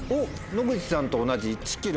野口さんと同じ１ｋｍ。